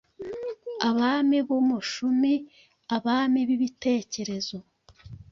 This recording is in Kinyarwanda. Abami b'Umushumi, Abami b'Ibitekerezo.